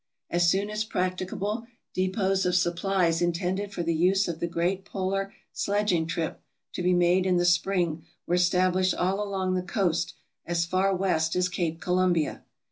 As soon as practicable, depots of supplies intended for the use of the great polar sledging trip to be made in the spring were established all along the coast as far west as Cape Columbia.